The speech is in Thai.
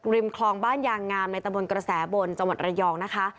คลองบ้านยางงามในตะบนกระแสบนจังหวัดระยองนะคะ